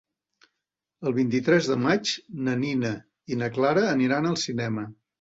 El vint-i-tres de maig na Nina i na Clara aniran al cinema.